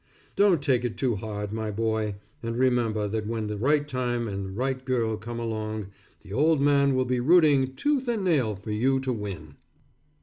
Don't take it too hard my boy, and remember that when the right time and right girl come along, the old man will be rooting tooth and nail for you to win.